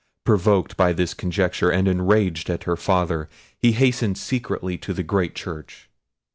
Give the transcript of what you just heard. Provoked by this conjecture, and enraged at her father, he hastened secretly to the great church.